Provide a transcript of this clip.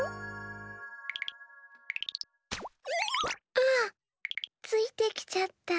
あっついてきちゃった。